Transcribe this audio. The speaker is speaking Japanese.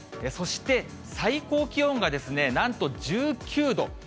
そして最高気温がですね、なんと１９度。